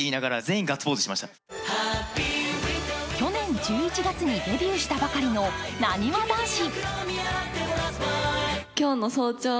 去年１１月にデビューしたばかりの、なにわ男子。